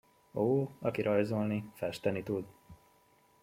Ó, aki rajzolni, festeni tud!